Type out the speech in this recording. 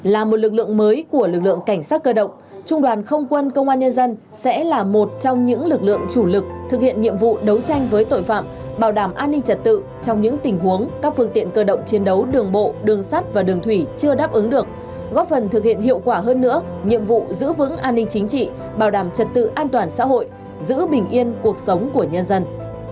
là một lực lượng mới của lực lượng cảnh sát cơ động trung đoàn không quân công an nhân dân sẽ là một trong những lực lượng chủ lực thực hiện nhiệm vụ đấu tranh với tội phạm bảo đảm an ninh trật tự trong những tình huống các phương tiện cơ động chiến đấu đường bộ đường sắt và đường thủy chưa đáp ứng được góp phần thực hiện hiệu quả hơn nữa nhiệm vụ giữ vững an ninh chính trị bảo đảm trật tự an toàn xã hội giữ bình yên cuộc sống của nhân dân